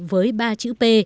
với ba chữ p